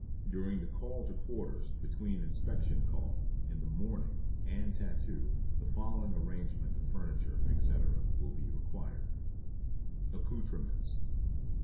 During the "Call to Quarters," between "Inspection Call" in the morning and "Tattoo," the following Arrangement of Furniture, etc., will be required: ACCOUTREMENTS.